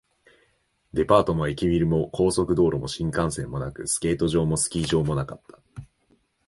デパートも駅ビルも、高速道路も新幹線もなく、スケート場もスキー場もなかった